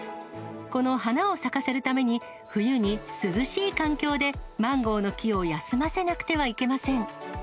この花を咲かせるために、冬に涼しい環境でマンゴーの木を休ませなくてはいけません。